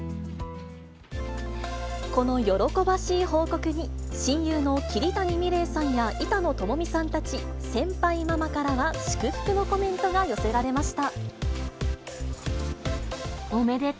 この喜ばしい報告に、親友の桐谷美玲さんや板野友美さんたち先輩ママからは祝福のコメントが寄せられました。